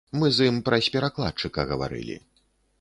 Мы з ім праз перакладчыка гаварылі.